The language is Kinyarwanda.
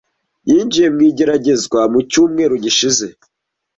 Yinjiye mu igeragezwa mu cyumweru gishize.